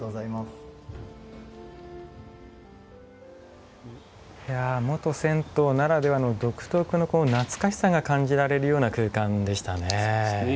いや元銭湯ならではの独特の懐かしさが感じられるような空間でしたね。